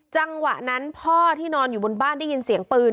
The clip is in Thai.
จังหวะนั้นพ่อที่นอนอยู่บนบ้านได้ยินเสียงปืน